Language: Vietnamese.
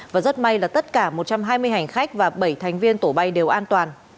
và rất may là tất cả một trăm hai mươi hành khách và bảy thành viên tổ bay đều an toàn